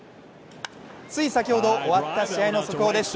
つい先ほど終わった試合の速報です。